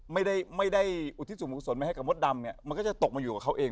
ไม่ได้ไม่ได้อุทิศส่วนกุศลมาให้กับมดดำเนี่ยมันก็จะตกมาอยู่กับเขาเอง